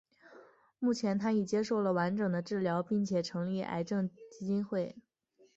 目前她已接受了完整的治疗并且成立癌症基金会。